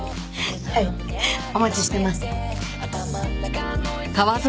はいお待ちしてます。